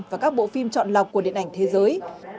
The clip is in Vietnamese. và các bộ phim chọn lọc của điện ảnh thế giới